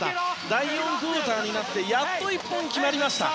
第４クオーターになってやっと１本決まりました。